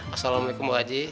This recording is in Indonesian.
assalamualaikum bu haji